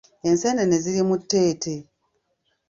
Enseenene ziri mu tteete.